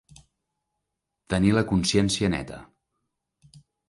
Tenir la consciència neta.